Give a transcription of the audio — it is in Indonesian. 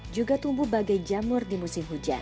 juga tumbuh bagai jamur di musim hujan